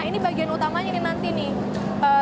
nah ini bagian utamanya nih nanti nih